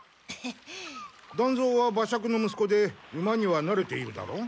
団蔵は馬借の息子で馬にはなれているだろう？